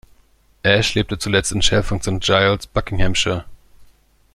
Ash lebte zuletzt in Chalfont St Giles, Buckinghamshire.